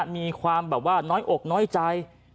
มีความน้อยอกน้อยใจ